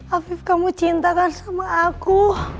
afif kamu cintakan sama aku